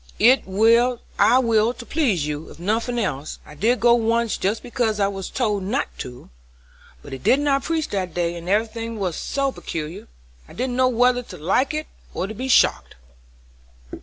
"I will to please you, if nothing else. I did go once just because I was told not to; but he did not preach that day and every thing was so peculiar, I didn't know whether to like it or be shocked."